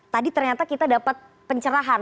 tadi ternyata kita dapat pencerahan